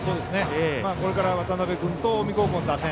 これから渡辺君と近江高校の打線。